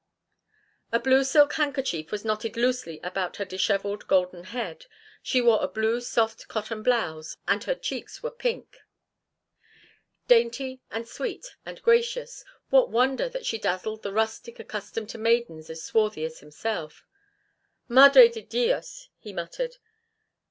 A blue silk handkerchief was knotted loosely about her dishevelled golden head, she wore a blue soft cotton blouse, and her cheeks were pink. Dainty and sweet and gracious, what wonder that she dazzled the rustic accustomed to maidens as swarthy as himself? "Madre de Dios!" he muttered.